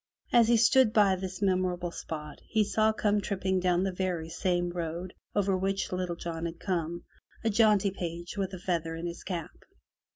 As he stood by this memorable spot, he saw come tripping down the very same road over which Little John had come, a jaunty page with a feather in his cap.